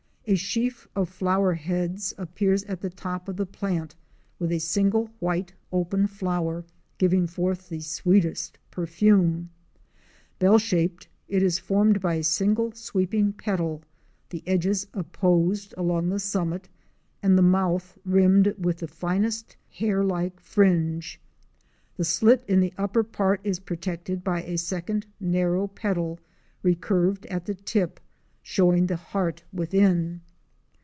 A sheaf of flower heads appears at the top of the plant with a single white open flower, giving forth the sweetest perfume. Bell shapel, it is formed by a single sweeping petal, the edges apposed along the summit, and the mouth rimmed with the finest hair like fringe. The slit in the upper part is protected by a second narrow petal recurved at the tip, showing the heart within.